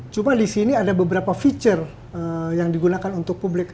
cuma di sini ada beberapa feature yang digunakan untuk publik